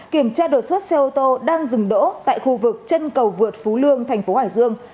kiểm tra đột xuất xe ô tô đang dừng đỗ tại khu vực chân cầu vượt phú lương tp hải dương